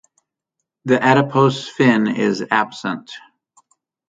The adipose fin is absent.